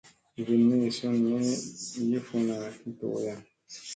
Givin mi sun mi yii funa ki tooya.